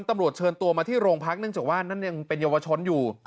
ตำรวจเชิญตัวมาที่โรงพักเนื่องจากว่านั่นยังเป็นเยาวชนอยู่